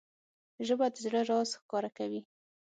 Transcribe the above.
ژبه د زړه راز ښکاره کوي